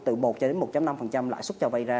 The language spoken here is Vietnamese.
từ một cho đến một năm lãi suất cho vay ra